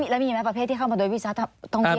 แล้วมียังไงประเทศที่เข้ามาโดยวีซ่าท่องเที่ยว